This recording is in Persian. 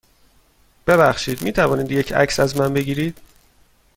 ببخشید، می توانید یه عکس از من بگیرید؟